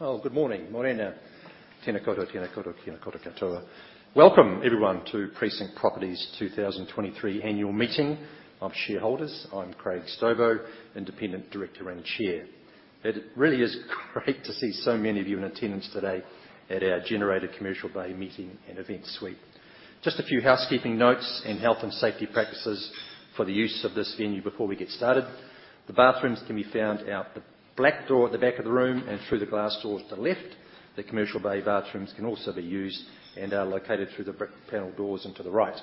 Well, good morning. Morena. Tena koutou, tena koutou, tena koutou katoa. Welcome, everyone, to Precinct Properties' 2023 Annual Meeting of Shareholders. I'm Craig Stobo, independent director and chair. It really is great to see so many of you in attendance today at our Generator Commercial Bay Meeting and Event Suite. Just a few housekeeping notes and health and safety practices for the use of this venue before we get started. The bathrooms can be found out the black door at the back of the room and through the glass doors to the left. The Commercial Bay bathrooms can also be used and are located through the brick panel doors and to the right,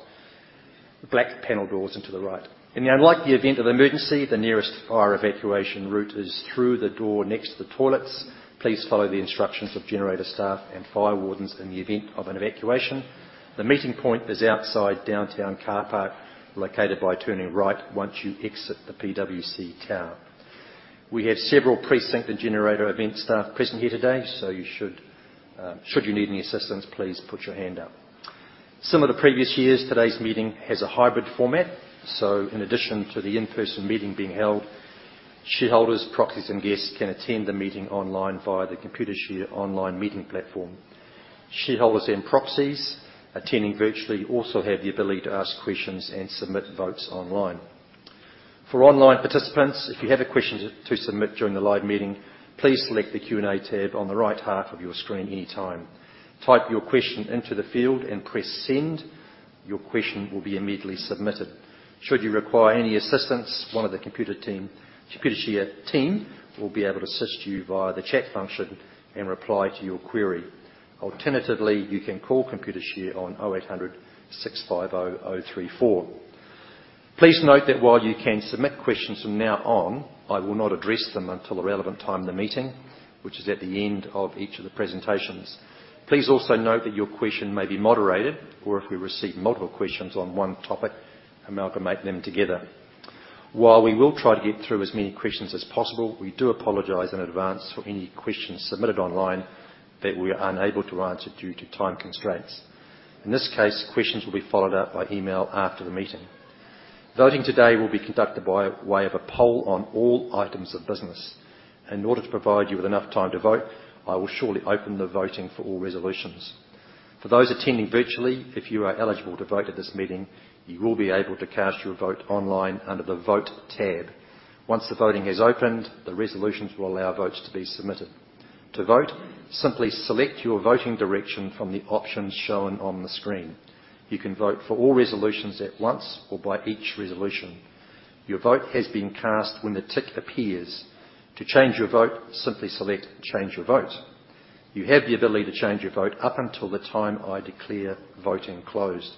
black panel doors and to the right. In the unlikely event of emergency, the nearest fire evacuation route is through the door next to the toilets. Please follow the instructions of Generator staff and fire wardens in the event of an evacuation. The meeting point is outside Downtown Carpark, located by turning right once you exit the PwC Tower. We have several Precinct and Generator event staff present here today, so you should... Should you need any assistance, please put your hand up. Similar to previous years, today's meeting has a hybrid format, so in addition to the in-person meeting being held, shareholders, proxies, and guests can attend the meeting online via the Computershare online meeting platform. Shareholders and proxies attending virtually also have the ability to ask questions and submit votes online. For online participants, if you have a question to submit during the live meeting, please select the Q&A tab on the right half of your screen anytime. Type your question into the field and press Send. Your question will be immediately submitted. Should you require any assistance, one of the Computershare team will be able to assist you via the chat function and reply to your query. Alternatively, you can call Computershare on 0800 650 034. Please note that while you can submit questions from now on, I will not address them until the relevant time in the meeting, which is at the end of each of the presentations. Please also note that your question may be moderated, or if we receive multiple questions on one topic, amalgamate them together. While we will try to get through as many questions as possible, we do apologize in advance for any questions submitted online that we are unable to answer due to time constraints. In this case, questions will be followed up by email after the meeting. Voting today will be conducted by way of a poll on all items of business. In order to provide you with enough time to vote, I will shortly open the voting for all resolutions. For those attending virtually, if you are eligible to vote at this meeting, you will be able to cast your vote online under the Vote tab. Once the voting is opened, the resolutions will allow votes to be submitted. To vote, simply select your voting direction from the options shown on the screen. You can vote for all resolutions at once or by each resolution. Your vote has been cast when the tick appears. To change your vote, simply select Change Your Vote. You have the ability to change your vote up until the time I declare voting closed.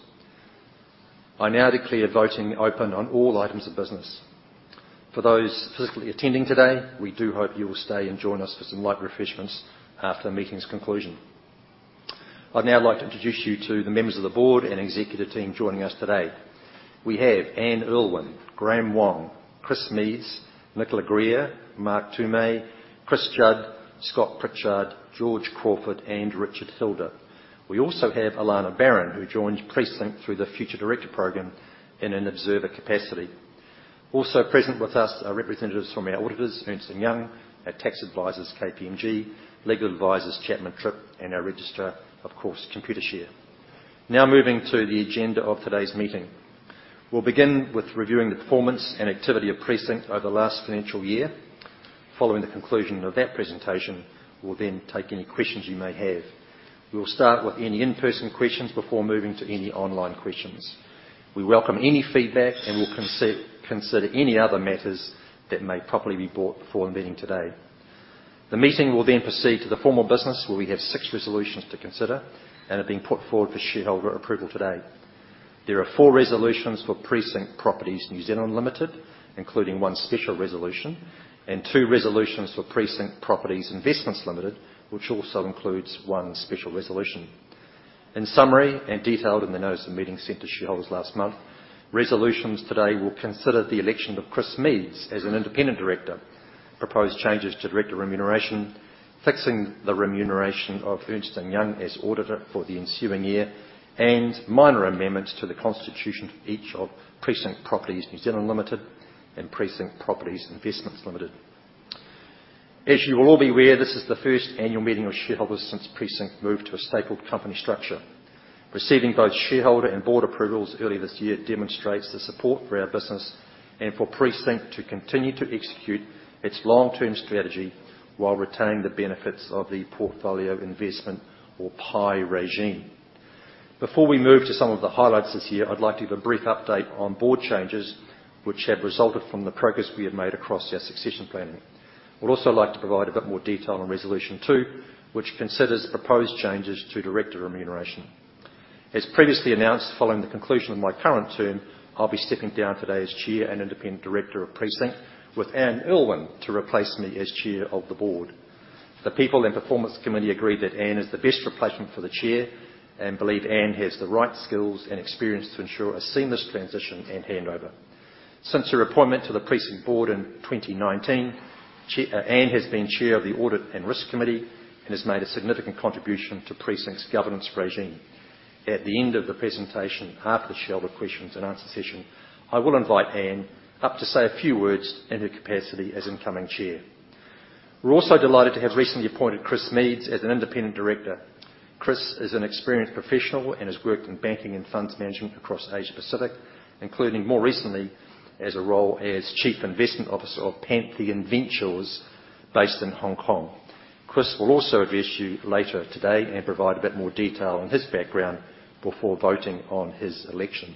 I now declare voting open on all items of business. For those physically attending today, we do hope you will stay and join us for some light refreshments after the meeting's conclusion. I'd now like to introduce you to the members of the board and executive team joining us today. We have Anne Urlwin, Graeme Wong, Chris Meads, Nicola Greer, Mark Tume, Chris Judd, Scott Pritchard, George Crawford, and Richard Hilder. We also have Alanna Barron, who joined Precinct through the Future Director Program, in an observer capacity. Also present with us are representatives from our auditors, Ernst & Young, our tax advisors, KPMG, legal advisors, Chapman Tripp, and our registrar, of course, Computershare. Now, moving to the agenda of today's meeting. We'll begin with reviewing the performance and activity of Precinct over the last financial year. Following the conclusion of that presentation, we'll then take any questions you may have. We will start with any in-person questions before moving to any online questions. We welcome any feedback, and we'll consider any other matters that may properly be brought before the meeting today. The meeting will then proceed to the formal business, where we have six resolutions to consider and have been put forward for shareholder approval today. There are four resolutions for Precinct Properties New Zealand Limited, including one special resolution, and two resolutions for Precinct Properties Investments Limited, which also includes one special resolution. In summary, and detailed in the notice of meeting sent to shareholders last month, resolutions today will consider the election of Chris Meads as an independent director, propose changes to director remuneration, fixing the remuneration of Ernst & Young as auditor for the ensuing year, and minor amendments to the constitution for each of Precinct Properties New Zealand Limited and Precinct Properties Investments Limited. As you will all be aware, this is the first annual meeting of shareholders since Precinct moved to a stapled company structure. Receiving both shareholder and board approvals early this year demonstrates the support for our business and for Precinct to continue to execute its long-term strategy while retaining the benefits of the portfolio investment, or PIE regime. Before we move to some of the highlights this year, I'd like to give a brief update on board changes, which have resulted from the progress we have made across our succession planning. I would also like to provide a bit more detail on resolution two, which considers proposed changes to director remuneration. As previously announced, following the conclusion of my current term, I'll be stepping down today as chair and independent director of Precinct, with Anne Urlwin to replace me as chair of the board. The People and Performance Committee agreed that Anne is the best replacement for the chair, and believe Anne has the right skills and experience to ensure a seamless transition and handover. Since her appointment to the Precinct Board in 2019, Anne has been chair of the Audit and Risk Committee and has made a significant contribution to Precinct's governance regime.... At the end of the presentation, after the shareholder questions and answer session, I will invite Anne up to say a few words in her capacity as incoming chair. We're also delighted to have recently appointed Chris Meads as an independent director. Chris is an experienced professional and has worked in banking and funds management across Asia Pacific, including more recently as a role as Chief Investment Officer of Pantheon Ventures, based in Hong Kong. Chris will also address you later today and provide a bit more detail on his background before voting on his election.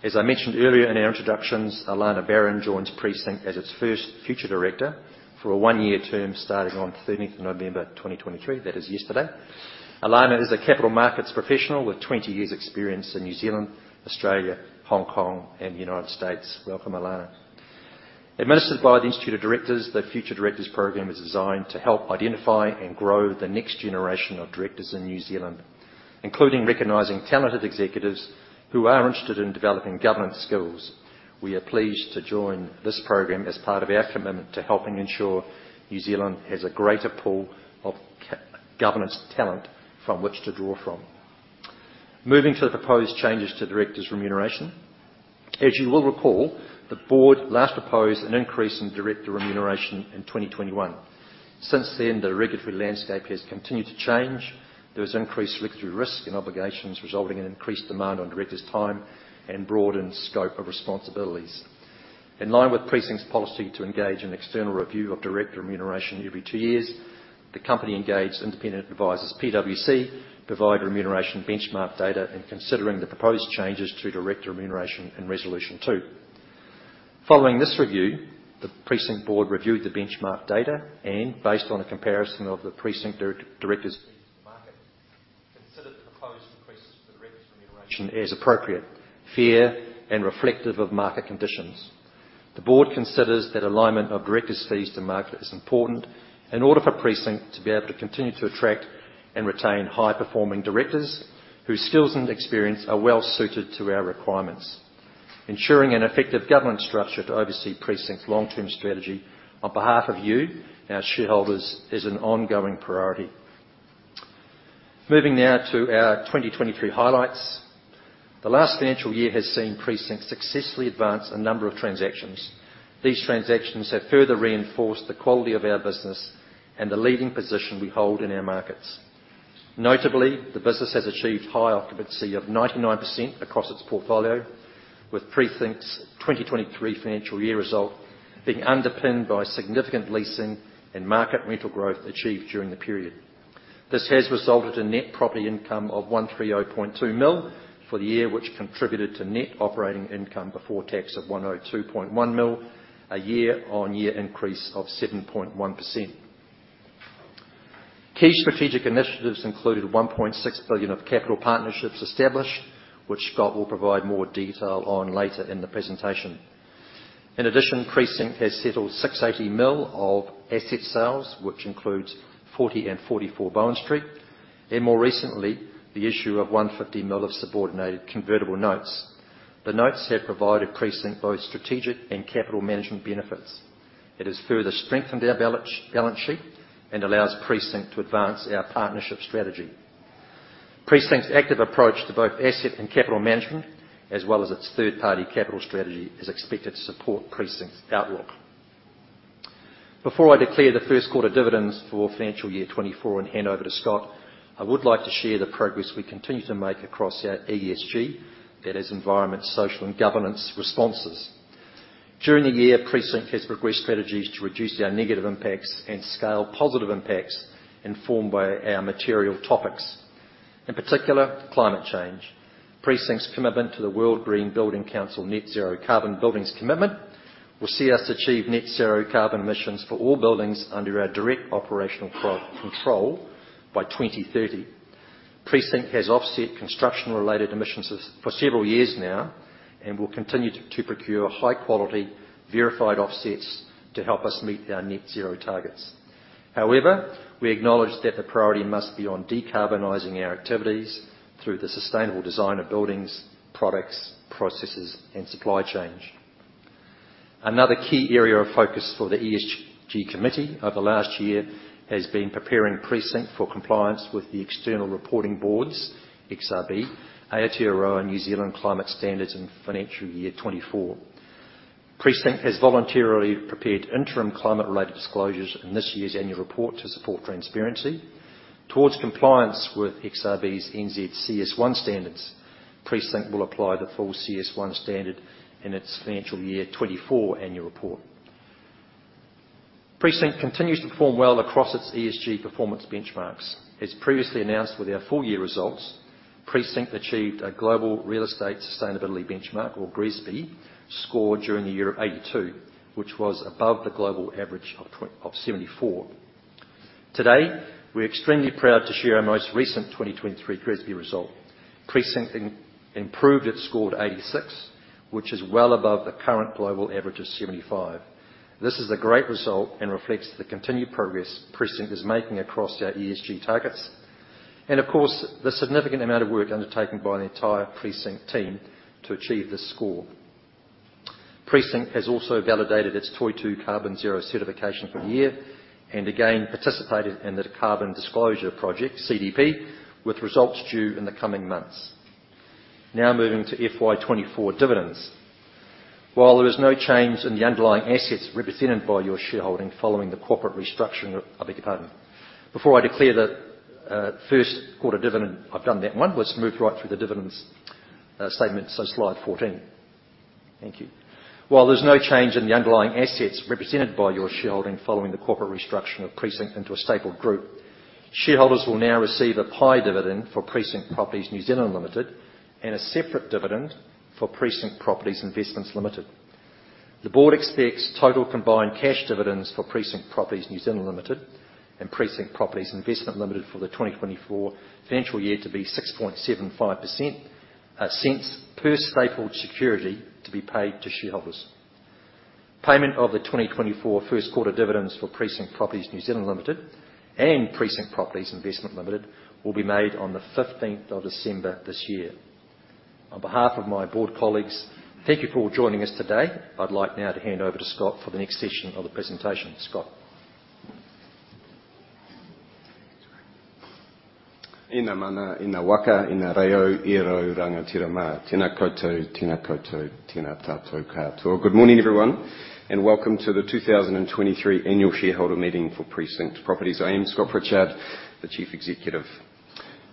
As I mentioned earlier in our introductions, Alana Barron joins Precinct as its first future director for a one-year term starting on 13th of November 2023. That is yesterday. Alana is a capital markets professional with 20 years experience in New Zealand, Australia, Hong Kong, and United States. Welcome, Alana. Administered by the Institute of Directors, the Future Directors program is designed to help identify and grow the next generation of directors in New Zealand, including recognizing talented executives who are interested in developing governance skills. We are pleased to join this program as part of our commitment to helping ensure New Zealand has a greater pool of governance talent from which to draw from. Moving to the proposed changes to directors' remuneration. As you will recall, the board last proposed an increase in director remuneration in 2021. Since then, the regulatory landscape has continued to change. There is increased regulatory risk and obligations, resulting in increased demand on directors' time and broadened scope of responsibilities. In line with Precinct's policy to engage in external review of director remuneration every two years, the company engaged independent advisors, PwC, to provide remuneration benchmark data in considering the proposed changes to director remuneration in Resolution two. Following this review, the Precinct board reviewed the benchmark data and, based on a comparison of the Precinct directors market, considered the proposed increases to the director remuneration as appropriate, fair, and reflective of market conditions. The board considers that alignment of directors' fees to market is important in order for Precinct to be able to continue to attract and retain high-performing directors, whose skills and experience are well suited to our requirements. Ensuring an effective governance structure to oversee Precinct's long-term strategy on behalf of you, our shareholders, is an ongoing priority. Moving now to our 2023 highlights. The last financial year has seen Precinct successfully advance a number of transactions. These transactions have further reinforced the quality of our business and the leading position we hold in our markets. Notably, the business has achieved high occupancy of 99% across its portfolio, with Precinct's 2023 financial year result being underpinned by significant leasing and market rental growth achieved during the period. This has resulted in net property income of 130.2 million for the year, which contributed to net operating income before tax of 102.1 million, a yearon-year increase of 7.1%. Key strategic initiatives included 1.6 billion of capital partnerships established, which Scott will provide more detail on later in the presentation. In addition, Precinct has settled 680 million of asset sales, which includes 40 and 44 Bowen Street, and more recently, the issue of 150 million of subordinated convertible notes. The notes have provided Precinct both strategic and capital management benefits. It has further strengthened our balance sheet and allows Precinct to advance our partnership strategy. Precinct's active approach to both asset and capital management, as well as its third-party capital strategy, is expected to support Precinct's outlook. Before I declare the first quarter dividends for financial year 2024 and hand over to Scott, I would like to share the progress we continue to make across our ESG, that is, environment, social, and governance responses. During the year, Precinct has progressed strategies to reduce our negative impacts and scale positive impacts informed by our material topics, in particular, climate change. Precinct's commitment to the World Green Building Council Net Zero Carbon Buildings Commitment will see us achieve net zero carbon emissions for all buildings under our direct operational product control by 2030. Precinct has offset construction-related emissions for several years now and will continue to, to procure high-quality, verified offsets to help us meet our net zero targets. However, we acknowledge that the priority must be on decarbonizing our activities through the sustainable design of buildings, products, processes, and supply chains. Another key area of focus for the ESG committee over the last year has been preparing Precinct for compliance with the External Reporting Board (XRB), Aotearoa, New Zealand Climate Standards in Financial Year 2024. Precinct has voluntarily prepared interim climate-related disclosures in this year's annual report to support transparency. Towards compliance with XRB's NZ CS 1 standards, Precinct will apply the full CS 1 standard in its Financial Year 2024 annual report. Precinct continues to perform well across its ESG performance benchmarks. As previously announced with our full-year results, Precinct achieved a Global Real Estate Sustainability Benchmark, or GRESB, score during the year of 82, which was above the global average of 74. Today, we're extremely proud to share our most recent 2023 GRESB result. Precinct improved its score to 86, which is well above the current global average of 75. This is a great result and reflects the continued progress Precinct is making across our ESG targets and, of course, the significant amount of work undertaken by the entire Precinct team to achieve this score. Precinct has also validated its Toitū CarbonZero certification for the year, and again, participated in the Carbon Disclosure Project, CDP, with results due in the coming months. Now moving to FY 2024 dividends. While there is no change in the underlying assets represented by your shareholding following the corporate restructuring of the demerger, before I declare the first quarter dividend. I've done that one. Let's move right through the dividends statement, so slide 14. Thank you. While there's no change in the underlying assets represented by your shareholding following the corporate restructuring of Precinct into a stapled group, shareholders will now receive a PIE dividend for Precinct Properties New Zealand Limited and a separate dividend for Precinct Properties Investments Limited. The board expects total combined cash dividends for Precinct Properties New Zealand Limited and Precinct Properties Investments Limited for the 2024 financial year to be 0.0675 per stapled security to be paid to shareholders. Payment of the 2024 first quarter dividends for Precinct Properties New Zealand Limited and Precinct Properties Investments Limited will be made on the fifteenth of December this year. On behalf of my board colleagues, thank you for joining us today. I'd like now to hand over to Scott for the next session of the presentation. Scott? Good morning, everyone, and welcome to the 2023 Annual Shareholder Meeting for Precinct Properties. I am Scott Pritchard, the Chief Executive.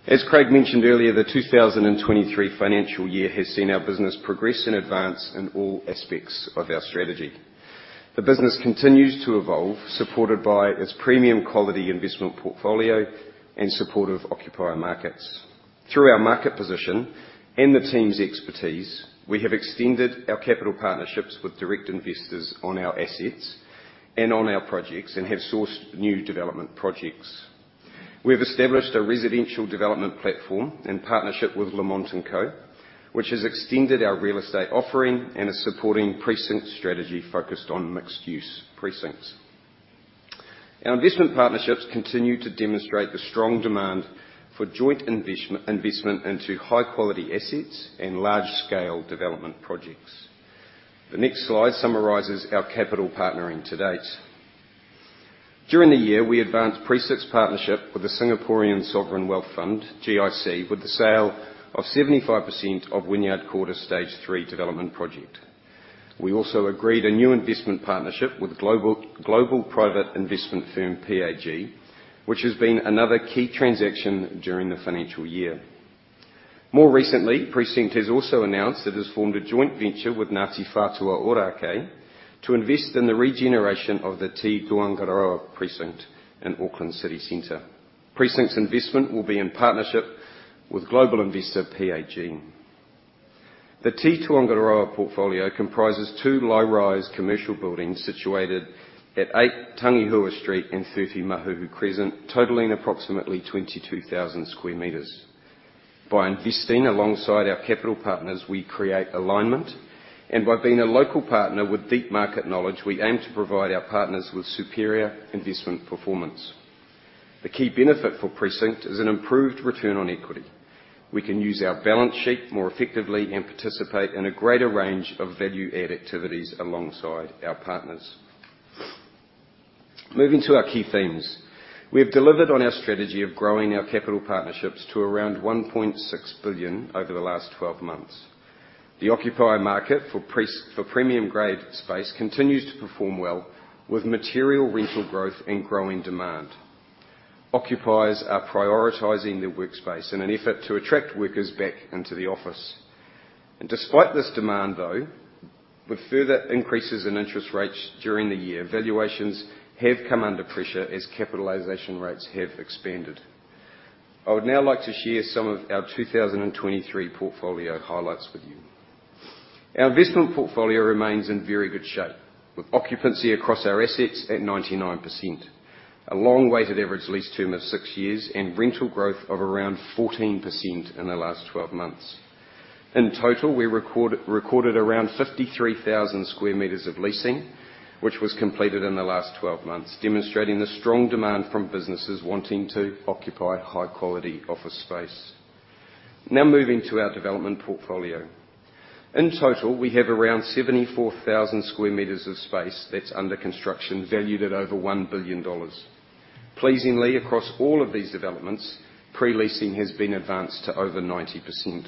As Craig mentioned earlier, the 2023 Financial Year has seen our business progress in advance in all aspects of our strategy. The business continues to evolve, supported by its premium quality investment portfolio and supportive occupier markets. Through our market position and the team's expertise, we have extended our capital partnerships with direct investors on our assets and on our projects and have sourced new development projects. We've established a residential development platform in partnership with Lamont and Co, which has extended our real estate offering and is supporting Precinct's strategy focused on mixed-use precincts. Our investment partnerships continue to demonstrate the strong demand for joint investment into high-quality assets and large-scale development projects. The next slide summarizes our capital partnering to date. During the year, we advanced Precinct's partnership with the Singaporean Sovereign Wealth Fund, GIC, with the sale of 75% of Wynyard Quarter Stage III development project. We also agreed a new investment partnership with global, Global private investment firm, PAG, which has been another key transaction during the financial year. More recently, Precinct has also announced it has formed a joint venture with Ngāti Whātua Ōrākei to invest in the regeneration of the Te Tōangaroa precinct in Auckland City Centre. Precinct's investment will be in partnership with global investor, PAG. The Te Tōangaroa portfolio comprises two low-rise commercial buildings situated at Eight Tangihua Street and Thirty Mahuhu Crescent, totaling approximately 22,000 square meters. By investing alongside our capital partners, we create alignment, and by being a local partner with deep market knowledge, we aim to provide our partners with superior investment performance. The key benefit for Precinct is an improved return on equity. We can use our balance sheet more effectively and participate in a greater range of value-add activities alongside our partners. Moving to our key themes. We have delivered on our strategy of growing our capital partnerships to around 1.6 billion over the last 12 months. The occupier market for premium grade space continues to perform well, with material rental growth and growing demand. Occupiers are prioritizing their workspace in an effort to attract workers back into the office. And despite this demand, though, with further increases in interest rates during the year, valuations have come under pressure as capitalization rates have expanded. I would now like to share some of our 2023 portfolio highlights with you. Our investment portfolio remains in very good shape, with occupancy across our assets at 99%, a long weighted average lease term of six years, and rental growth of around 14% in the last 12 months. In total, we recorded around 53,000 square meters of leasing, which was completed in the last 12 months, demonstrating the strong demand from businesses wanting to occupy high-quality office space. Now moving to our development portfolio. In total, we have around 74,000 square meters of space that's under construction, valued at over 1 billion dollars. Pleasingly, across all of these developments, pre-leasing has been advanced to over 90%.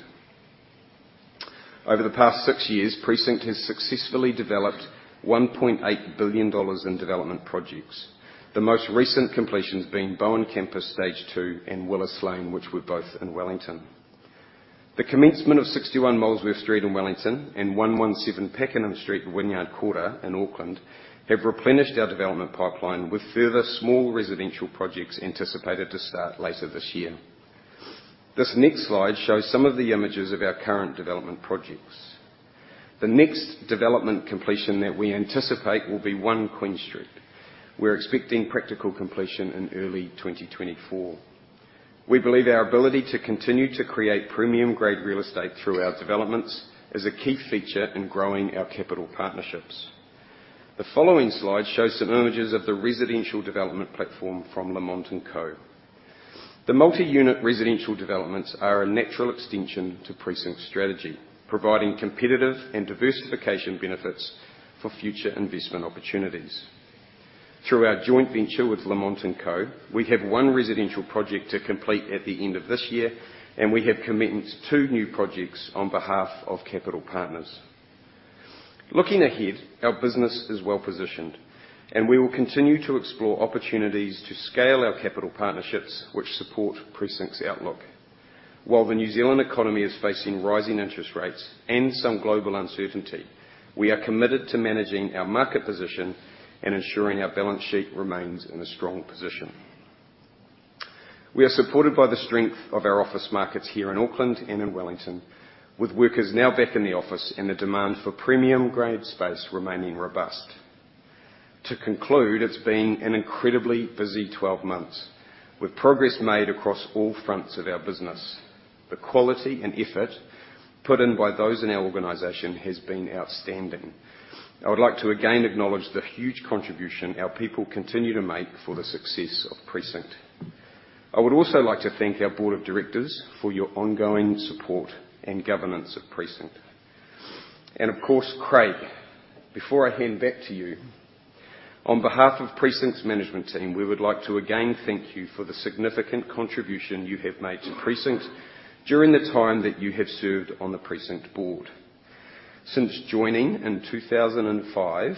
Over the past six years, Precinct has successfully developed 1.8 billion dollars in development projects, the most recent completions being Bowen Campus Stage Two and Willis Lane, which were both in Wellington. The commencement of 61 Molesworth Street in Wellington and One One Seven Pakenham Street, Wynyard Quarter in Auckland, have replenished our development pipeline, with further small residential projects anticipated to start later this year. This next slide shows some of the images of our current development projects. The next development completion that we anticipate will be One Queen Street. We're expecting practical completion in early 2024. We believe our ability to continue to create premium-grade real estate through our developments is a key feature in growing our capital partnerships. The following slide shows some images of the residential development platform from Lamont and Co. The multi-unit residential developments are a natural extension to Precinct's strategy, providing competitive and diversification benefits for future investment opportunities. Through our joint venture with Lamont and Co, we have one residential project to complete at the end of this year, and we have commenced two new projects on behalf of Capital Partners. Looking ahead, our business is well-positioned, and we will continue to explore opportunities to scale our capital partnerships, which support Precinct's outlook. While the New Zealand economy is facing rising interest rates and some global uncertainty, we are committed to managing our market position and ensuring our balance sheet remains in a strong position. We are supported by the strength of our office markets here in Auckland and in Wellington, with workers now back in the office and the demand for premium grade space remaining robust. To conclude, it's been an incredibly busy 12 months, with progress made across all fronts of our business. The quality and effort put in by those in our organization has been outstanding. I would like to again acknowledge the huge contribution our people continue to make for the success of Precinct. I would also like to thank our board of directors for your ongoing support and governance of Precinct. Of course, Craig, before I hand back to you, on behalf of Precinct's management team, we would like to again thank you for the significant contribution you have made to Precinct during the time that you have served on the Precinct board. Since joining in 2005,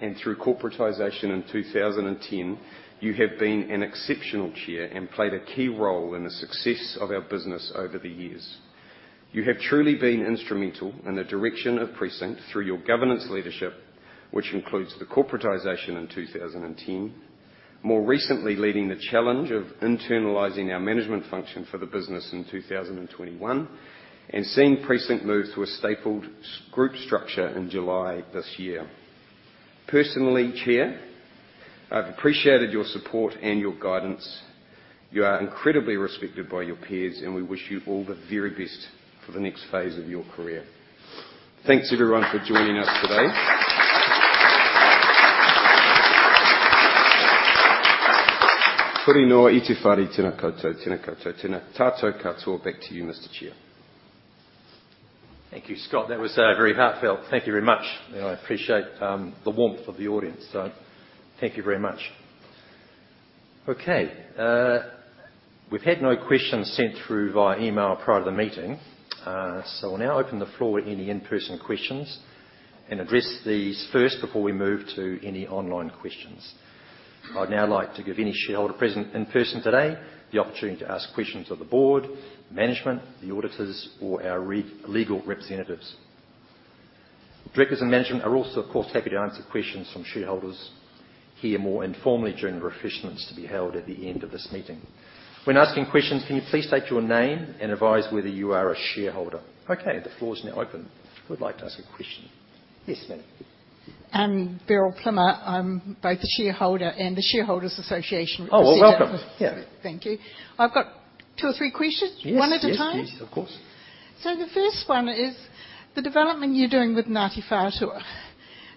and through corporatization in 2010, you have been an exceptional chair and played a key role in the success of our business over the years. You have truly been instrumental in the direction of Precinct through your governance leadership, which includes the corporatization in 2010. More recently, leading the challenge of internalizing our management function for the business in 2021, and seeing Precinct move to a stapled group structure in July this year. Personally, Chair, I've appreciated your support and your guidance. You are incredibly respected by your peers, and we wish you all the very best for the next phase of your career. Thanks, everyone, for joining us today. Greetings. Back to you, Mr. Chair. Thank you, Scott. That was very heartfelt. Thank you very much, and I appreciate the warmth of the audience, so thank you very much. Okay, we've had no questions sent through via email prior to the meeting, so we'll now open the floor to any in-person questions and address these first before we move to any online questions. I'd now like to give any shareholder present in person today the opportunity to ask questions of the board, management, the auditors, or our legal representatives. Directors and management are also, of course, happy to answer questions from shareholders here more informally during the refreshments to be held at the end of this meeting. When asking questions, can you please state your name and advise whether you are a shareholder? Okay, the floor is now open. Who would like to ask a question? Yes, ma'am. I'm Beryl Plummer. I'm both a shareholder and a shareholders' association- Oh, well, welcome. Yeah. Thank you. I've got two or three questions. Yes. One at a time? Yes, yes, of course. So the first one is the development you're doing with Ngāti Whātua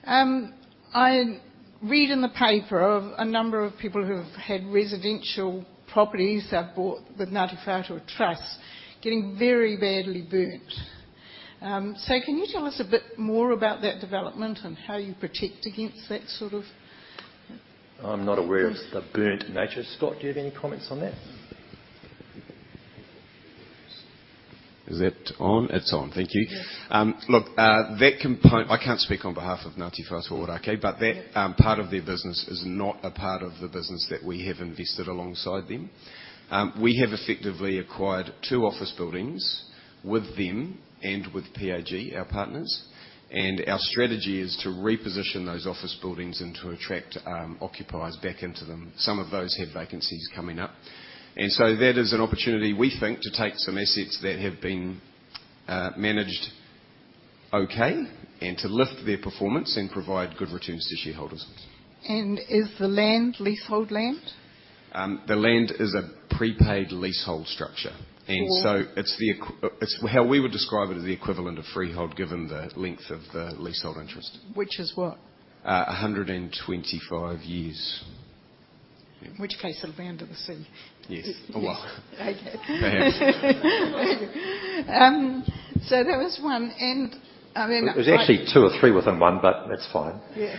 Ōrākei. I read in the paper of a number of people who have had residential properties they've bought with Ngāti Whātua Ōrākei Trust getting very badly burnt. So can you tell us a bit more about that development and how you protect against that sort of- I'm not aware of the burnt nature. Scott, do you have any comments on that? Is that on? It's on. Thank you. Yes. Look, that component... I can't speak on behalf of Ngāti Whātua Ōrākei, but that, part of their business is not a part of the business that we have invested alongside them. We have effectively acquired two office buildings with them and with PAG, our partners, and our strategy is to reposition those office buildings and to attract, occupiers back into them. Some of those have vacancies coming up, and so that is an opportunity, we think, to take some assets that have been, managed okay and to lift their performance and provide good returns to shareholders. Is the land leasehold land? The land is a prepaid leasehold structure. Cool. It's how we would describe it as the equivalent of freehold, given the length of the leasehold interest. Which is what? 125 years. In which case, it'll be under the sea. Yes, a while. Okay. Perhaps. So that was one, and I mean- It was actually two or three within one, but that's fine. Yeah.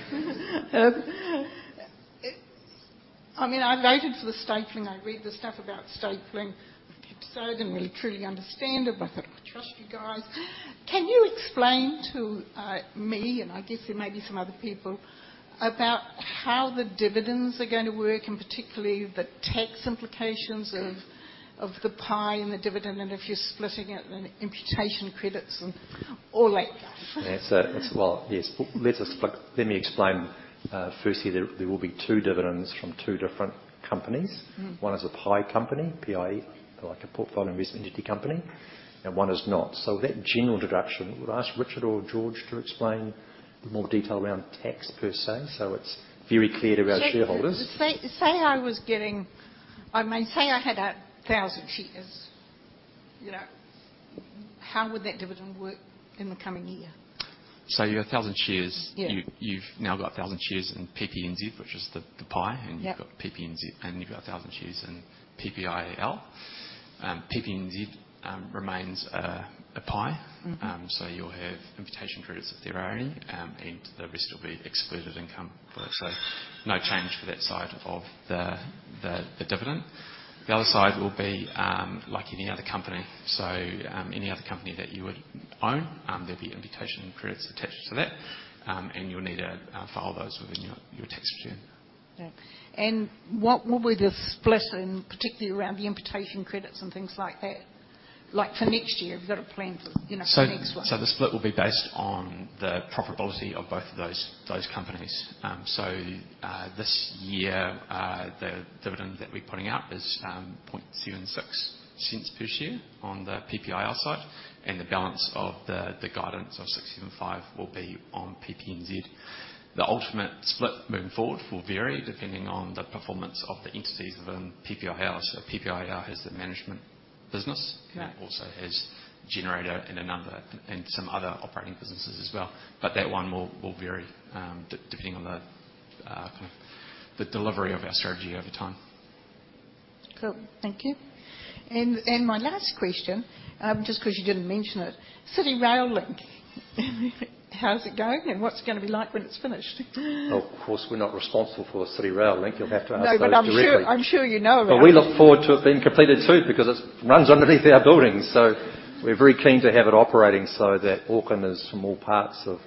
I mean, I voted for the stapling. I read the stuff about stapling. I didn't really, truly understand it, but I thought, "I trust you guys." Can you explain to me, and I guess there may be some other people, about how the dividends are going to work, and particularly the tax implications of the pie and the dividend, and if you're splitting it, and imputation credits and all that? Yeah. So it's... Well, yes. Let me explain. Firstly, there will be two dividends from two different companies. Mm-hmm. One is a PIE company, P-I-E, like a portfolio investment entity company, and one is not. So that general deduction, would I ask Richard or George to explain in more detail around tax per se, so it's very clear to our shareholders? I mean, say I had 1,000 shares, you know?... how would that dividend work in the coming year? You have 1,000 shares. Yeah. You, you've now got 1,000 shares in PPNZ, which is the PIE. Yep. You've got PPNZ, and you've got 1,000 shares in PPIL. PPNZ remains a PIE. Mm-hmm. So you'll have imputation credits, if there are any, and the rest will be excluded income. So no change for that side of the dividend. The other side will be like any other company. So, any other company that you would own, there'll be imputation credits attached to that. And you'll need to file those within your tax return. Yeah. And what will be the split in, particularly around the imputation credits and things like that? Like, for next year, have you got a plan for, you know, the next one? The split will be based on the profitability of both of those companies. This year, the dividend that we're putting out is 0.0076 per share on the PPIL side, and the balance of the guidance of 0.0675 will be on PPNZ. The ultimate split moving forward will vary, depending on the performance of the entities within PPIL. So PPIL is the management business- Yeah. -and also has Generator and a number, and some other operating businesses as well. But that one will vary, depending on the kind of the delivery of our strategy over time. Cool. Thank you. And my last question, just 'cause you didn't mention it: City Rail Link. How's it going, and what's it gonna be like when it's finished? Well, of course, we're not responsible for the City Rail Link. You'll have to ask them directly. No, but I'm sure, I'm sure you know about it. But we look forward to it being completed, too, because it runs underneath our buildings. So we're very keen to have it operating so that Aucklanders from all parts of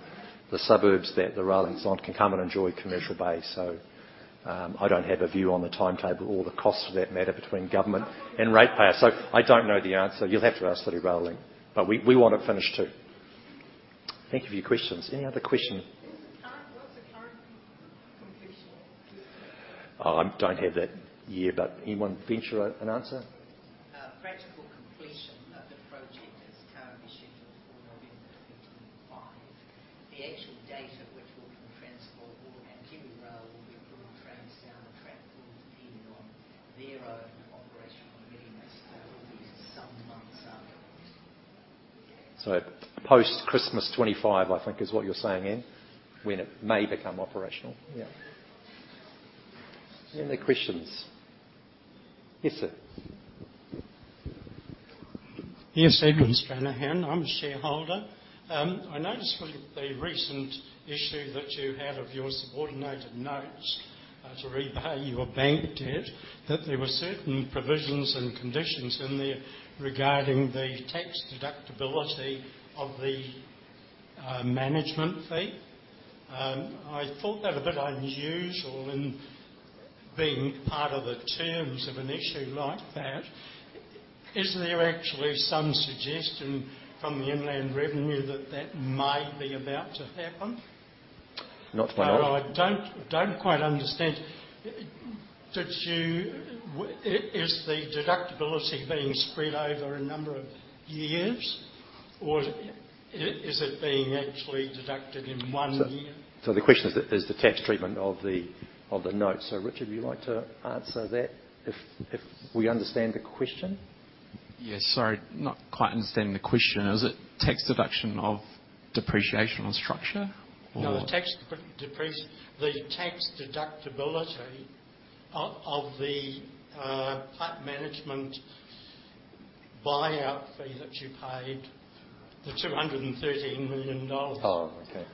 the suburbs that the rail link's on can come and enjoy Commercial Bay. So, I don't have a view on the timetable or the cost, for that matter, between government and ratepayers. So I don't know the answer. You'll have to ask City Rail Link, but we, we want it finished, too. Thank you for your questions. Any other question? What's the current completion date? I don't have that year, but anyone venture an answer? Practical completion of the project is currently scheduled for November 2025. The actual date at which Auckland Transport or City Rail will be putting trains down the track will depend on their own operational readiness. So it will be some months after this. So post-Christmas 2025, I think is what you're saying, Ian, when it may become operational? Yeah. Any other questions? Yes, sir. Yes. Edward Strachan, I'm a shareholder. I noticed with the recent issue that you had of your subordinated notes, to repay your bank debt, that there were certain provisions and conditions in there regarding the tax deductibility of the, management fee. I thought that a bit unusual in being part of the terms of an issue like that. Is there actually some suggestion from the Inland Revenue that that may be about to happen? Not that I- Well, I don't quite understand. Is the deductibility being spread over a number of years, or is it being actually deducted in one year? So the question is the tax treatment of the notes. So Richard, would you like to answer that, if we understand the question? Yes. Sorry, not quite understanding the question. Is it tax deduction of depreciation on structure or? No, the tax deductibility of the PAG management buyout fee that you paid, the 213 million dollars. Oh, okay.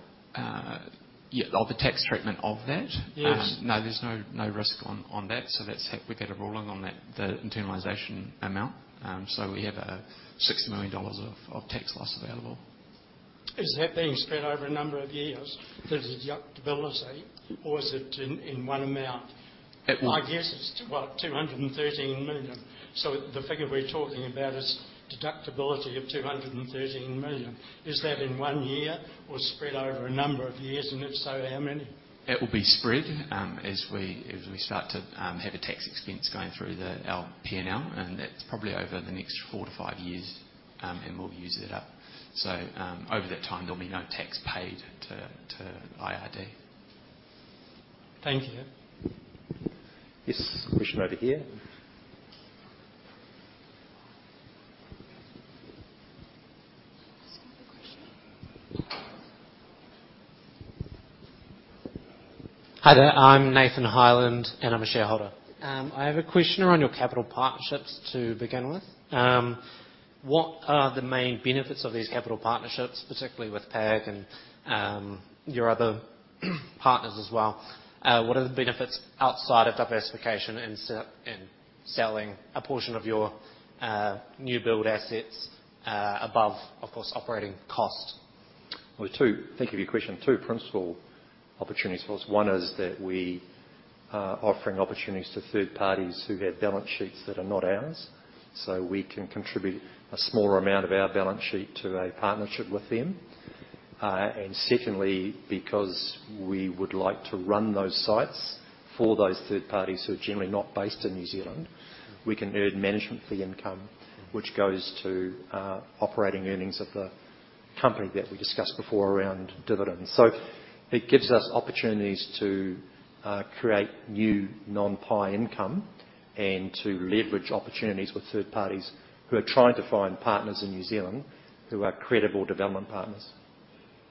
Yeah, of the tax treatment of that? Yes. No, there's no risk on that. So that's happened, we get a ruling on that, the internalization amount. So we have 60 million dollars of tax loss available. Is that being spread over a number of years, the deductibility, or is it in one amount? It w- My guess is, well, 213 million. So the figure we're talking about is deductibility of 213 million. Is that in one year or spread over a number of years? And if so, how many? It will be spread, as we start to have a tax expense going through our P&L, and that's probably over the next four to five years. And we'll use it up. So, over that time, there'll be no tax paid to IRD. Thank you. Yes, question over here. Ask another question. Hi there, I'm Nathan Hyland, and I'm a shareholder. I have a question around your capital partnerships to begin with. What are the main benefits of these capital partnerships, particularly with PAG and your other partners as well? What are the benefits outside of diversification and selling a portion of your new build assets above, of course, operating costs? Well, thank you for your question. Two principal opportunities for us. One is that we are offering opportunities to third parties who have balance sheets that are not ours. So we can contribute a smaller amount of our balance sheet to a partnership with them. And secondly, because we would like to run those sites for those third parties, who are generally not based in New Zealand, we can earn management fee income, which goes to operating earnings of the partner company that we discussed before around dividends. So it gives us opportunities to create new non-pie income and to leverage opportunities with third parties who are trying to find partners in New Zealand who are credible development partners.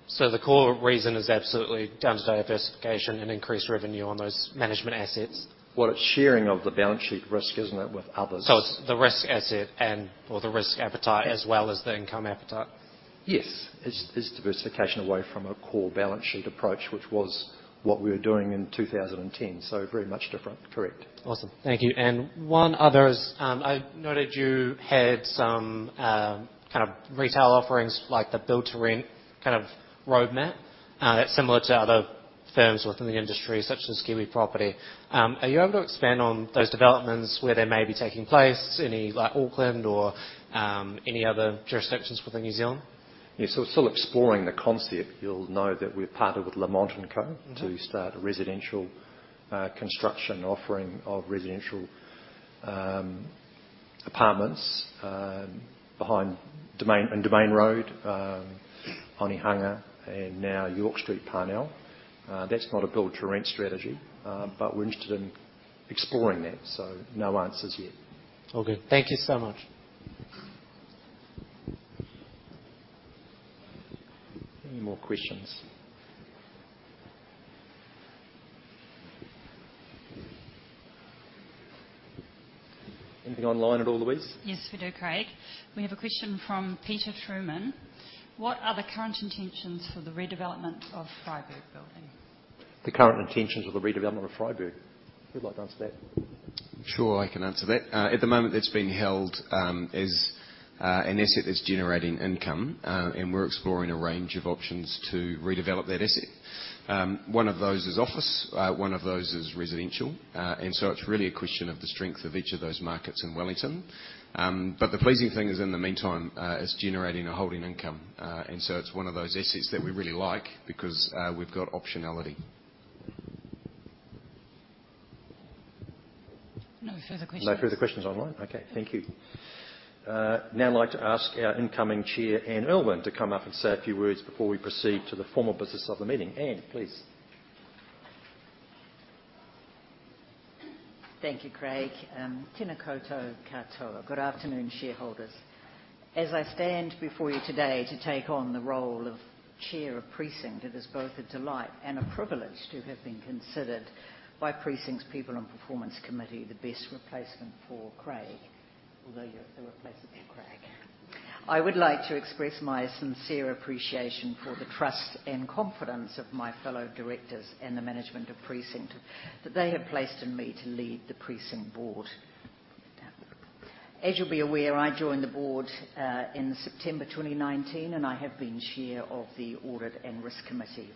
So the core reason is absolutely down to diversification and increased revenue on those management assets? Well, it's sharing of the balance sheet risk, isn't it, with others? It's the risk asset and/or the risk appetite as well as the income appetite? Yes. It's diversification away from a core balance sheet approach, which was what we were doing in 2010. So very much different. Correct. Awesome. Thank you. And one other is, I noted you had some, kind of retail offerings, like the build-to-rent kind of roadmap, that's similar to other firms within the industry, such as Kiwi Property. Are you able to expand on those developments, where they may be taking place? Any, like Auckland or, any other jurisdictions within New Zealand? Yes. So we're still exploring the concept. You'll know that we've partnered with Lamont and Co- Mm-hmm... to start a residential, construction offering of residential, apartments, behind Domain, in Domain Road, Onehunga, and now York Street, Parnell. That's not a build-to-rent strategy, but we're interested in exploring that. So no answers yet. All good. Thank you so much. Any more questions? Anything online at all, Louise? Yes, we do, Craig. We have a question from Peter Truman: What are the current intentions for the redevelopment of Freyberg Building? The current intentions for the redevelopment of Freyberg. Who'd like to answer that? Sure, I can answer that. At the moment, that's being held as an asset that's generating income, and we're exploring a range of options to redevelop that asset. One of those is office, one of those is residential. And so it's really a question of the strength of each of those markets in Wellington. But the pleasing thing is, in the meantime, it's generating a holding income. And so it's one of those assets that we really like because we've got optionality. No further questions. No further questions online? Okay, thank you. Now I'd like to ask our incoming Chair, Anne Urlwin, to come up and say a few words before we proceed to the formal business of the meeting. Anne, please. Thank you, Craig. Tēnā koutou katoa. Good afternoon, shareholders. As I stand before you today to take on the role of chair of Precinct, it is both a delight and a privilege to have been considered by Precinct's People and Performance Committee, the best replacement for Craig, although you're irreplaceable, Craig. I would like to express my sincere appreciation for the trust and confidence of my fellow directors and the management of Precinct, that they have placed in me to lead the Precinct board. As you'll be aware, I joined the board in September 2019, and I have been chair of the Audit and Risk Committee.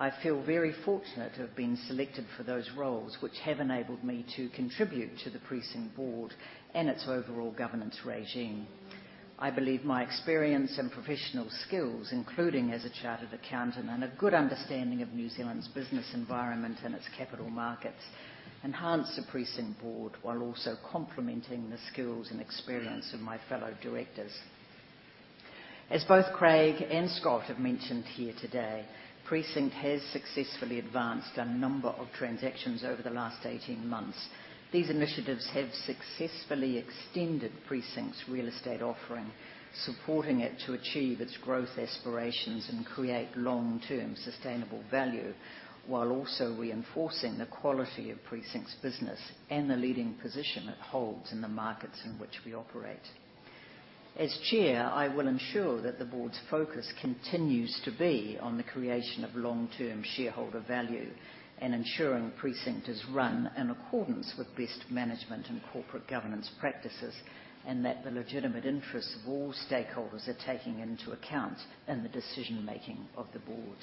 I feel very fortunate to have been selected for those roles, which have enabled me to contribute to the Precinct board and its overall governance regime. I believe my experience and professional skills, including as a chartered accountant and a good understanding of New Zealand's business environment and its capital markets, enhance the Precinct board, while also complementing the skills and experience of my fellow directors. As both Craig and Scott have mentioned here today, Precinct has successfully advanced a number of transactions over the last 18 months. These initiatives have successfully extended Precinct's real estate offering, supporting it to achieve its growth aspirations and create long-term, sustainable value, while also reinforcing the quality of Precinct's business and the leading position it holds in the markets in which we operate. As Chair, I will ensure that the board's focus continues to be on the creation of long-term shareholder value and ensuring Precinct is run in accordance with best management and corporate governance practices, and that the legitimate interests of all stakeholders are taken into account in the decision-making of the board.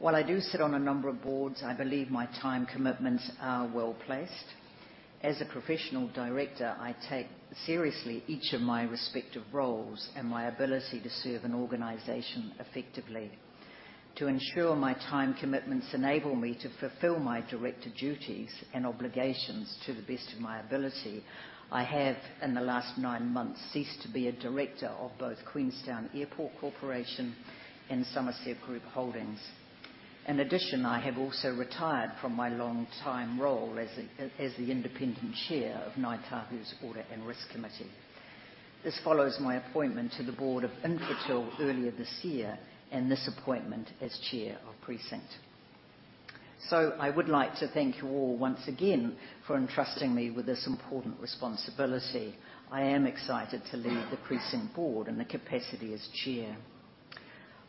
While I do sit on a number of boards, I believe my time commitments are well-placed. As a professional director, I take seriously each of my respective roles and my ability to serve an organization effectively. To ensure my time commitments enable me to fulfill my director duties and obligations to the best of my ability, I have, in the last nine months, ceased to be a director of both Queenstown Airport Corporation and Summerset Group Holdings. In addition, I have also retired from my long-time role as the independent chair of Ngāi Tahu's Audit and Risk Committee. This follows my appointment to the board of Infratil earlier this year, and this appointment as chair of Precinct. So I would like to thank you all once again for entrusting me with this important responsibility. I am excited to lead the Precinct board in the capacity as chair.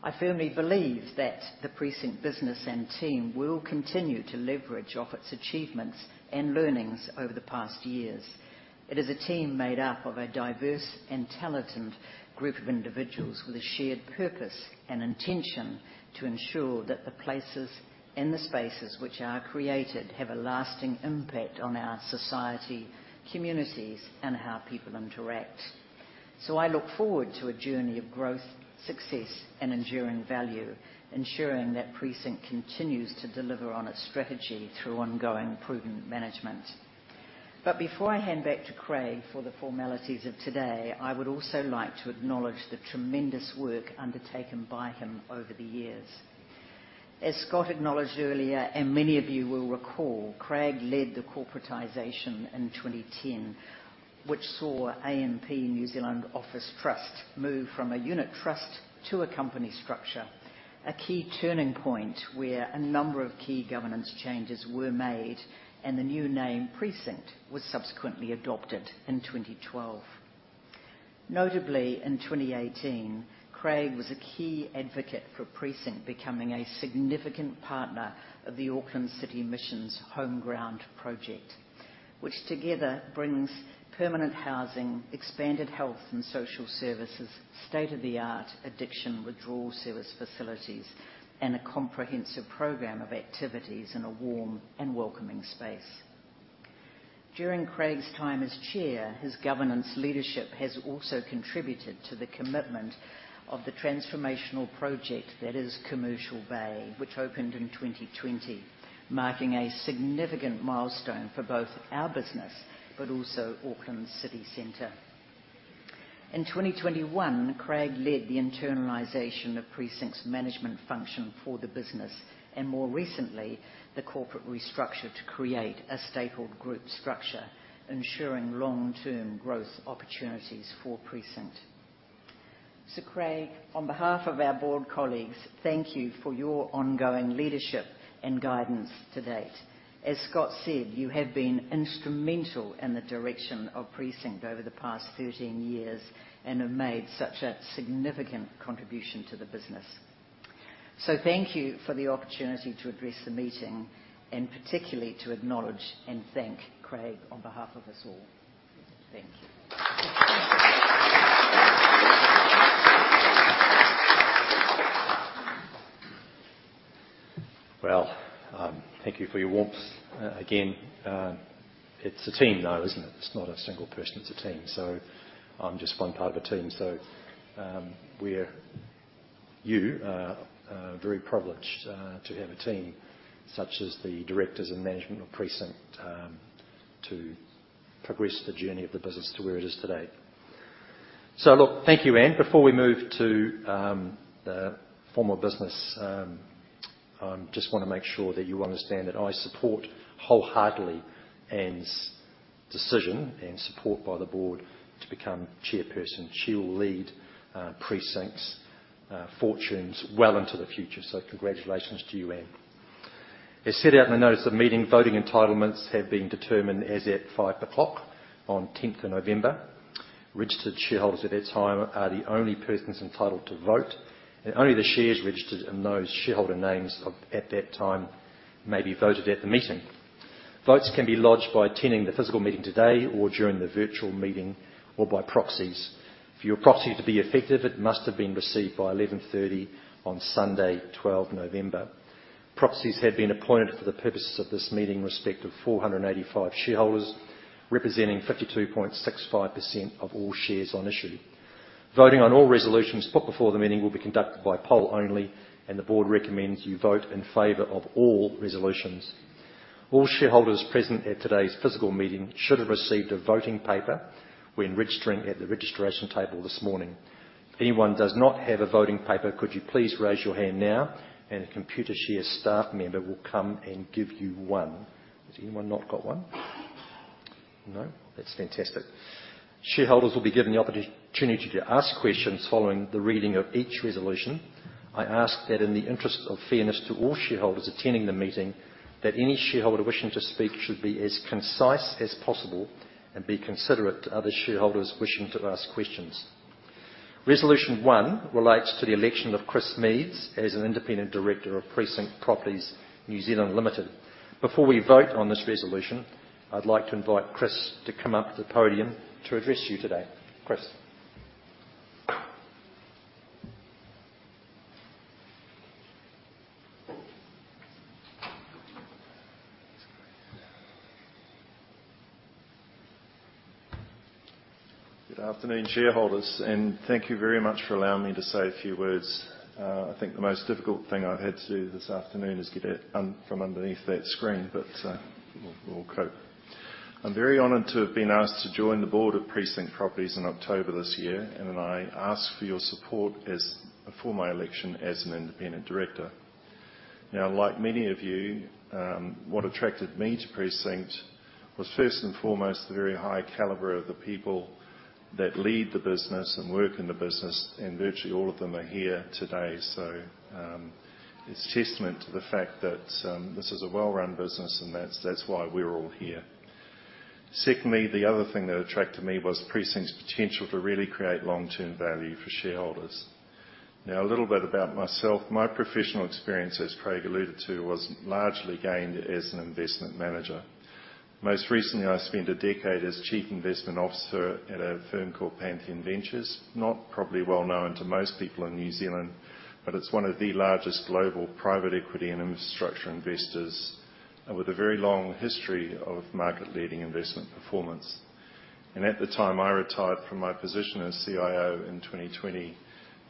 I firmly believe that the Precinct business and team will continue to leverage off its achievements and learnings over the past years. It is a team made up of a diverse and talented group of individuals with a shared purpose and intention to ensure that the places and the spaces which are created have a lasting impact on our society, communities, and how people interact. So I look forward to a journey of growth, success, and enduring value, ensuring that Precinct continues to deliver on its strategy through ongoing prudent management. But before I hand back to Craig for the formalities of today, I would also like to acknowledge the tremendous work undertaken by him over the years. As Scott acknowledged earlier, and many of you will recall, Craig led the corporatization in 2010, which saw AMP New Zealand Office Trust move from a unit trust to a company structure, a key turning point where a number of key governance changes were made, and the new name, Precinct, was subsequently adopted in 2012. Notably, in 2018, Craig was a key advocate for Precinct becoming a significant partner of the Auckland City Mission's HomeGround project, which together brings permanent housing, expanded health and social services, state-of-the-art addiction withdrawal service facilities, and a comprehensive program of activities in a warm and welcoming space. During Craig's time as chair, his governance leadership has also contributed to the commitment of the transformational project that is Commercial Bay, which opened in 2020, marking a significant milestone for both our business but also Auckland city centre. In 2021, Craig led the internalization of Precinct's management function for the business and, more recently, the corporate restructure to create a stapled group structure, ensuring long-term growth opportunities for Precinct. So Craig, on behalf of our board colleagues, thank you for your ongoing leadership and guidance to date. As Scott said, you have been instrumental in the direction of Precinct over the past 13 years and have made such a significant contribution to the business. So thank you for the opportunity to address the meeting, and particularly to acknowledge and thank Craig on behalf of us all. Thank you. Well, thank you for your warmth. Again, it's a team, though, isn't it? It's not a single person, it's a team. So I'm just one part of a team. So, you are very privileged to have a team such as the directors and management of Precinct to progress the journey of the business to where it is today. So look, thank you, Anne. Before we move to the formal business, I just wanna make sure that you understand that I support wholeheartedly Anne's decision and support by the board to become chairperson. She will lead Precinct's fortunes well into the future. So congratulations to you, Anne. As set out in the notice of meeting, voting entitlements have been determined as at 5 o'clock on 10th of November. Registered shareholders at that time are the only persons entitled to vote, and only the shares registered in those shareholder names of, at that time, may be voted at the meeting. Votes can be lodged by attending the physical meeting today or during the virtual meeting or by proxies. For your proxy to be effective, it must have been received by 11:30 on Sunday, twelfth November. Proxies have been appointed for the purposes of this meeting in respect of 485 shareholders, representing 52.65% of all shares on issue. Voting on all resolutions put before the meeting will be conducted by poll only, and the board recommends you vote in favor of all resolutions. All shareholders present at today's physical meeting should have received a voting paper when registering at the registration table this morning. If anyone does not have a voting paper, could you please raise your hand now, and a Computershare staff member will come and give you one. Has anyone not got one? No? That's fantastic. Shareholders will be given the opportunity to ask questions following the reading of each resolution. I ask that in the interest of fairness to all shareholders attending the meeting, that any shareholder wishing to speak should be as concise as possible and be considerate to other shareholders wishing to ask questions. Resolution one relates to the election of Chris Meads as an independent director of Precinct Properties New Zealand Limited. Before we vote on this resolution, I'd like to invite Chris to come up to the podium to address you today. Chris. Good afternoon, shareholders, and thank you very much for allowing me to say a few words. I think the most difficult thing I've had to do this afternoon is get out from underneath that screen, but we'll cope. I'm very honored to have been asked to join the board of Precinct Properties in October this year, and I ask for your support as for my election as an independent director. Now, like many of you, what attracted me to Precinct was first and foremost, the very high caliber of the people that lead the business and work in the business, and virtually all of them are here today. So, it's testament to the fact that this is a well-run business, and that's why we're all here. Secondly, the other thing that attracted me was Precinct's potential to really create long-term value for shareholders. Now, a little bit about myself. My professional experience, as Craig alluded to, was largely gained as an investment manager. Most recently, I spent a decade as Chief Investment Officer at a firm called Pantheon Ventures. Not probably well known to most people in New Zealand, but it's one of the largest global private equity and infrastructure investors, and with a very long history of market-leading investment performance... And at the time I retired from my position as CIO in 2020,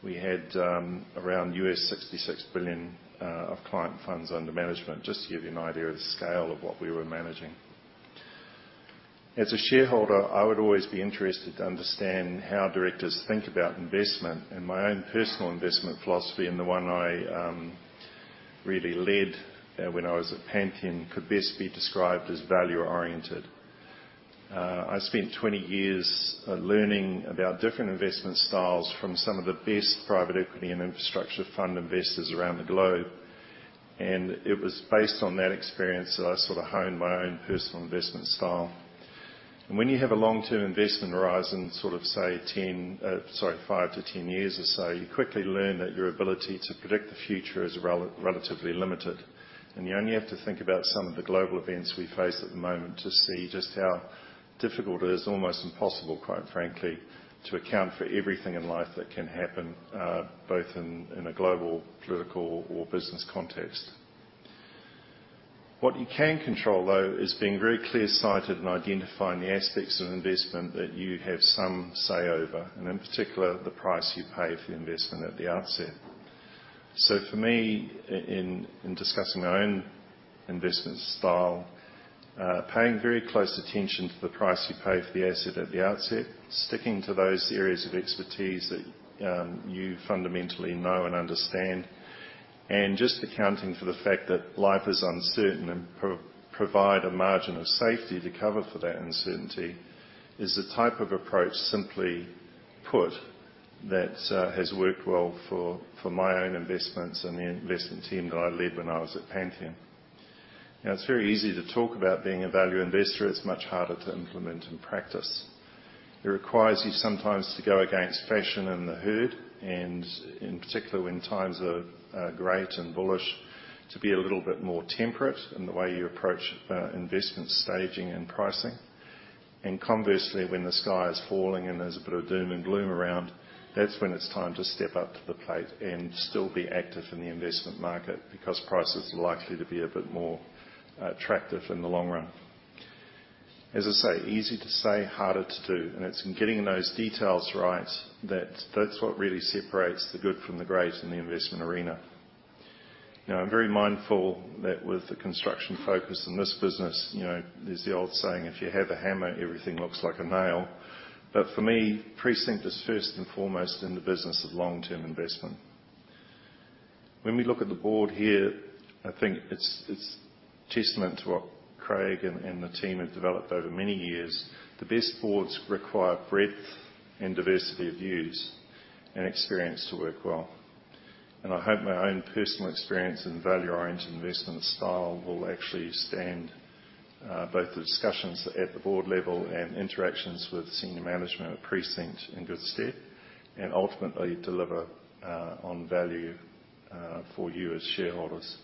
we had around $66 billion of client funds under management, just to give you an idea of the scale of what we were managing. As a shareholder, I would always be interested to understand how directors think about investment, and my own personal investment philosophy, and the one I really led when I was at Pantheon, could best be described as value-oriented. I spent 20 years learning about different investment styles from some of the best private equity and infrastructure fund investors around the globe, and it was based on that experience that I sort of honed my own personal investment style. When you have a long-term investment horizon, sort of say 10, sorry, 5-10 years or so, you quickly learn that your ability to predict the future is relatively limited. You only have to think about some of the global events we face at the moment to see just how difficult it is, almost impossible, quite frankly, to account for everything in life that can happen, both in a global, political, or business context. What you can control, though, is being very clear-sighted and identifying the aspects of investment that you have some say over, and in particular, the price you pay for the investment at the outset. So for me, in discussing my own investment style, paying very close attention to the price you pay for the asset at the outset, sticking to those areas of expertise that you fundamentally know and understand, and just accounting for the fact that life is uncertain and provide a margin of safety to cover for that uncertainty, is the type of approach, simply put, that has worked well for my own investments and the investment team that I led when I was at Pantheon. Now, it's very easy to talk about being a value investor. It's much harder to implement in practice. It requires you sometimes to go against fashion and the herd, and in particular, when times are great and bullish, to be a little bit more temperate in the way you approach investment staging and pricing. Conversely, when the sky is falling and there's a bit of doom and gloom around, that's when it's time to step up to the plate and still be active in the investment market, because prices are likely to be a bit more attractive in the long run. As I say, easy to say, harder to do, and it's in getting those details right, that's what really separates the good from the great in the investment arena. Now, I'm very mindful that with the construction focus in this business, you know, there's the old saying, "If you have a hammer, everything looks like a nail." But for me, Precinct is first and foremost in the business of long-term investment. When we look at the board here, I think it's testament to what Craig and the team have developed over many years. The best boards require breadth and diversity of views and experience to work well, and I hope my own personal experience and value-oriented investment style will actually stand both the discussions at the board level and interactions with senior management of Precinct in good stead, and ultimately deliver on value for you as shareholders.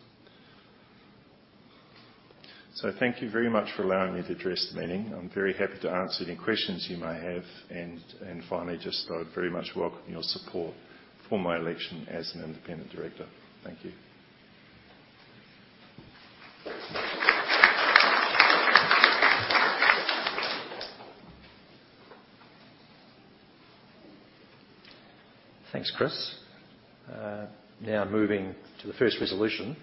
So thank you very much for allowing me to address the meeting. I'm very happy to answer any questions you may have, and finally, just I would very much welcome your support for my election as an independent director. Thank you. Thanks, Chris. Now moving to the first resolution.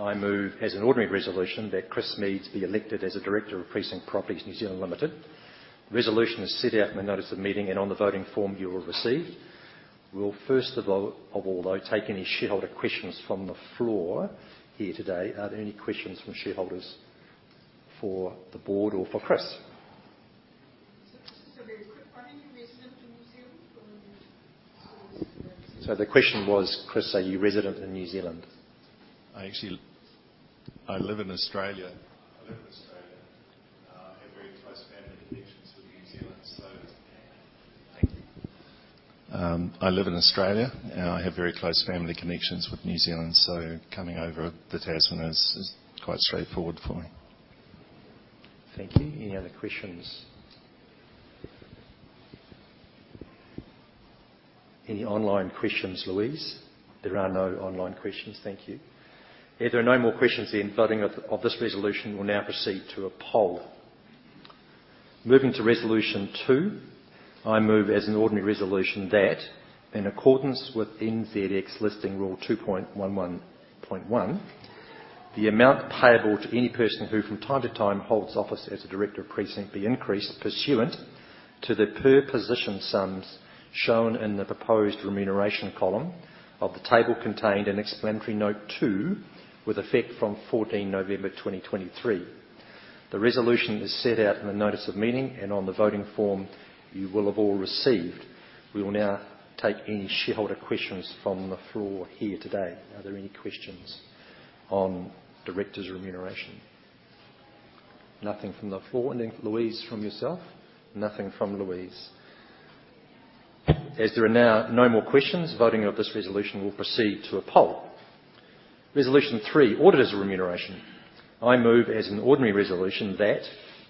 I move as an ordinary resolution that Chris Meads be elected as a director of Precinct Properties New Zealand Limited. The resolution is set out in the notice of meeting and on the voting form you will receive. We'll, first of all, though, take any shareholder questions from the floor here today. Are there any questions from shareholders for the board or for Chris? This is a very quick one. Are you resident in New Zealand or in Australia? The question was, Chris, are you resident in New Zealand? I actually... I live in Australia. I live in Australia, I have very close family connections with New Zealand, so- Thank you. I live in Australia, and I have very close family connections with New Zealand, so coming over the Tasman is quite straightforward for me. Thank you. Any other questions? Any online questions, Louise? There are no online questions. Thank you. If there are no more questions, then voting of this resolution will now proceed to a poll. Moving to resolution two, I move as an ordinary resolution that, in accordance with NZX Listing Rule 2.1.1, the amount payable to any person who, from time to time, holds office as a director of Precinct, be increased pursuant to the per position sums shown in the proposed remuneration column of the table contained in explanatory note two, with effect from 14 November 2023. The resolution is set out in the notice of meeting and on the voting form you will have all received. We will now take any shareholder questions from the floor here today. Are there any questions on directors' remuneration? Nothing from the floor. And then, Louise, from yourself? Nothing from Louise. As there are now no more questions, voting of this resolution will proceed to a poll. Resolution three, auditors' remuneration. I move as an ordinary resolution that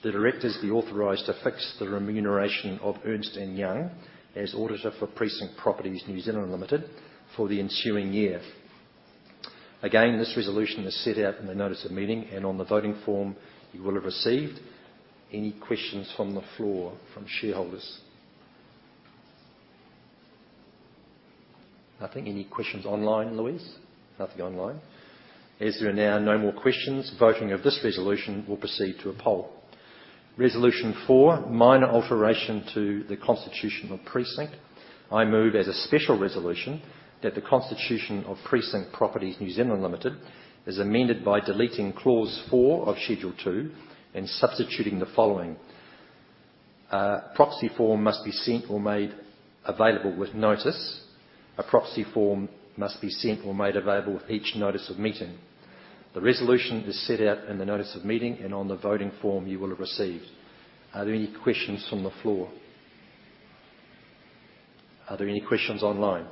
the directors be authorized to fix the remuneration of Ernst & Young as auditor for Precinct Properties New Zealand Limited for the ensuing year. Again, this resolution is set out in the notice of meeting, and on the voting form you will have received. Any questions from the floor from shareholders? Nothing. Any questions online, Louise? Nothing online. As there are now no more questions, voting of this resolution will proceed to a poll. Resolution four, minor alteration to the constitution of Precinct. I move as a special resolution that the constitution of Precinct Properties New Zealand Limited is amended by deleting Clause four of Schedule two and substituting the following: Proxy form must be sent or made available with notice. A proxy form must be sent or made available with each notice of meeting. The resolution is set out in the notice of meeting, and on the voting form you will have received. Are there any questions from the floor? Are there any questions online?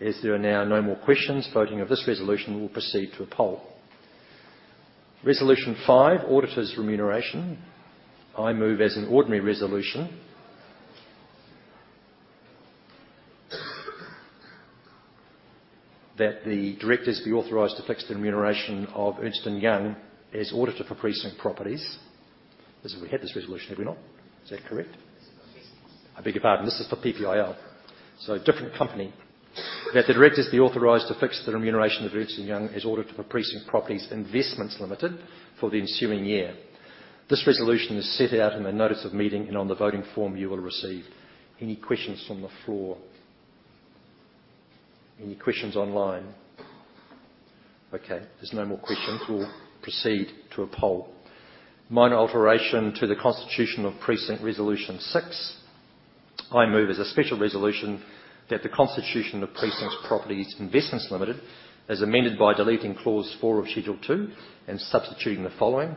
As there are now no more questions, voting of this resolution will proceed to a poll. Resolution five, auditor's remuneration. I move as an ordinary resolution, that the directors be authorized to fix the remuneration of Ernst & Young as auditor for Precinct Properties. As we had this resolution, had we not? Is that correct? Yes. I beg your pardon, this is for PPIL, so a different company. That the directors be authorized to fix the remuneration of Ernst & Young as auditor for Precinct Properties Investments Limited for the ensuing year. This resolution is set out in the notice of meeting and on the voting form you will have received. Any questions from the floor? Any questions online? Okay, there's no more questions. We'll proceed to a poll. Minor alteration to the constitution of Precinct. Resolution six. I move as a special resolution that the constitution of Precinct Properties Investments Limited is amended by deleting Clause four of Schedule two and substituting the following: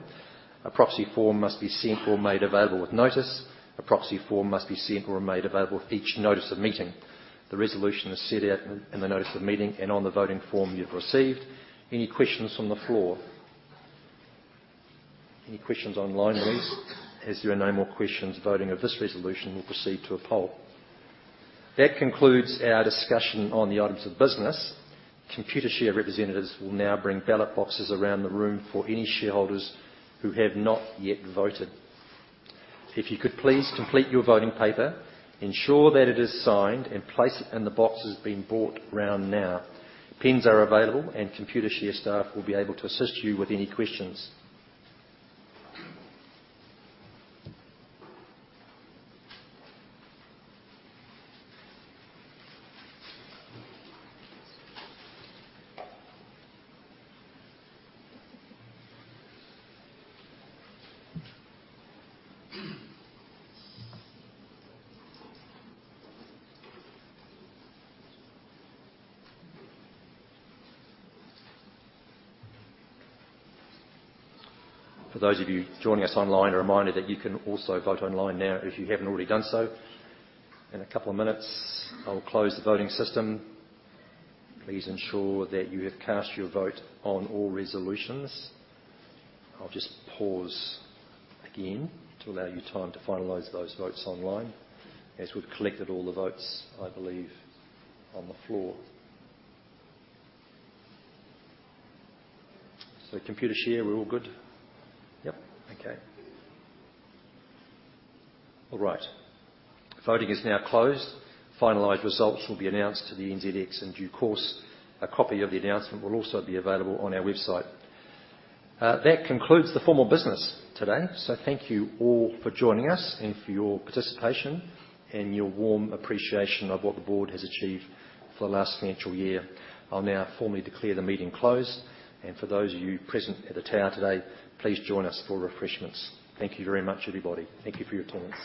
A proxy form must be sent or made available with notice. A proxy form must be sent or made available with each notice of meeting. The resolution is set out in the notice of meeting and on the voting form you've received. Any questions from the floor? Any questions online, please? As there are no more questions, voting of this resolution will proceed to a poll. That concludes our discussion on the items of business. Computershare representatives will now bring ballot boxes around the room for any shareholders who have not yet voted. If you could please complete your voting paper, ensure that it is signed, and place it in the boxes being brought round now. Pens are available, and Computershare staff will be able to assist you with any questions. For those of you joining us online, a reminder that you can also vote online now, if you haven't already done so. In a couple of minutes, I'll close the voting system. Please ensure that you have cast your vote on all resolutions. I'll just pause again to allow you time to finalize those votes online, as we've collected all the votes, I believe, on the floor. So Computershare, we're all good? Yep. Okay. All right. Voting is now closed. Finalized results will be announced to the NZX in due course. A copy of the announcement will also be available on our website. That concludes the formal business today. So thank you all for joining us and for your participation and your warm appreciation of what the board has achieved for the last financial year. I'll now formally declare the meeting closed, and for those of you present at the tower today, please join us for refreshments. Thank you very much, everybody. Thank you for your attendance.